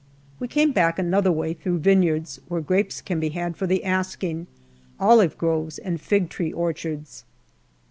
We came back another way through vineyards, where grapes can be had for the asking, olive groves, and fig tree orchards.